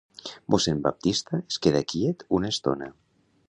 Mossèn Baptista es queda quiet una estona.